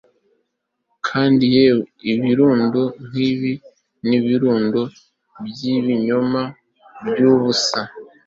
kandi yewe ibirundo nkibi nibirundo byibinyoma byubusa.